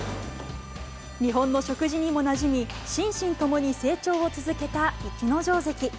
日本の食事にもなじみ、心身ともに成長を続けた逸ノ城関。